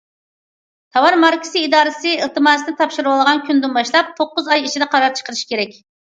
تاۋار ماركىسى ئىدارىسى ئىلتىماسنى تاپشۇرۇۋالغان كۈندىن باشلاپ توققۇز ئاي ئىچىدە قارار چىقىرىشى كېرەك.